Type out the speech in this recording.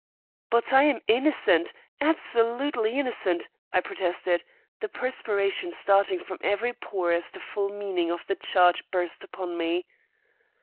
"But I am innocent, absolutely innocent," I protested, the perspiration starting from every pore as the full meaning of the charge burst upon me.